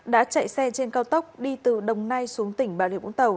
đã chạy xe trên cao tốc đi từ đồng nai xuống tỉnh bà rịa vũng tàu